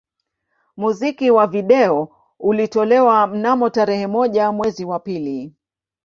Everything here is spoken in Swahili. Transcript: Muziki wa video ulitolewa mnamo tarehe moja mwezi wa pili